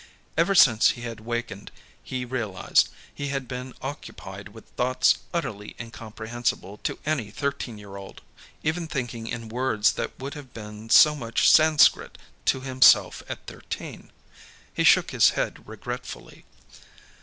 Ever since he had wakened, he realized, he had been occupied with thoughts utterly incomprehensible to any thirteen year old; even thinking in words that would have been so much Sanscrit to himself at thirteen. He shook his head regretfully.